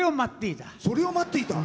それを待っていた。